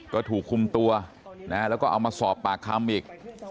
ก็ถูกคุมตัวแล้วก็เอามาสอบปากคำอีก